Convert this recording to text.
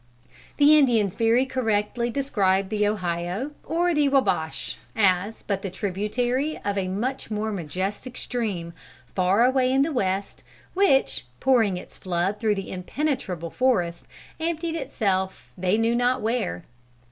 The Indians very correctly described the Ohio, or the Wabash, as but the tributary of a much more majestic stream, far away in the west, which, pouring its flood through the impenetrable forest, emptied itself they knew not where.